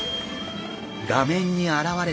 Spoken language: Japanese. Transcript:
画面に現れたのは。